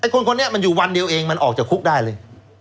คนคนนี้มันอยู่วันเดียวเองมันออกจากคุกได้เลย